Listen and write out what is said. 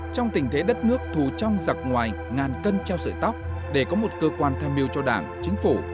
trong tình thế đất nước thù trong giặc ngoài ngàn cân treo sợi tóc để có một cơ quan tham mưu cho đảng chính phủ